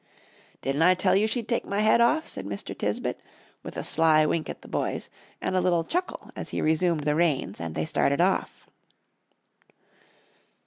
"Didn't I tell you she'd take my head off?" said Mr. Tisbett, with a sly wink at the boys, and a little chuckle as he resumed the reins and they started off.